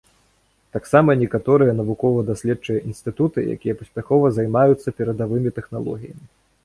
Таксама некаторыя навукова-даследчыя інстытуты, якія паспяхова займаюцца перадавымі тэхналогіямі.